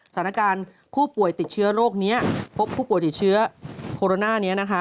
สถานการณ์ผู้ป่วยติดเชื้อโรคนี้พบผู้ป่วยติดเชื้อโคโรนานี้นะคะ